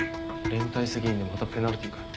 連帯責任でまたペナルティーかよ。